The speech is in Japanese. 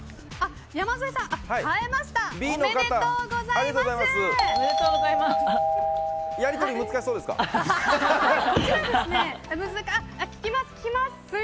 山添さんおめでとうございます。